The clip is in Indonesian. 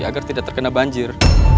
agar tidak terkena banjir